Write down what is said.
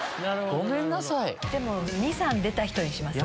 ２３出た人にします？